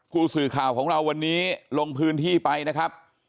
ผู้สื่อข่าวของเราวันนี้ลงพื้นที่ไปนะครับ